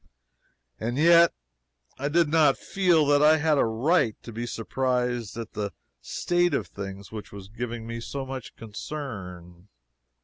And yet I did not feel that I had a right to be surprised at the state of things which was giving me so much concern.